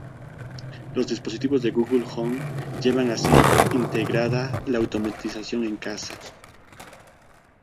Los dispositivos de "Google Home" llevan así integrada la automatización en casa.